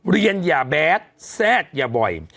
เรียนอย่าแบดแซ่ดอย่าบ่อย